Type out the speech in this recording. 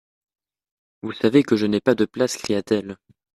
Vous savez que je n'ai pas de place, cria-t-elle.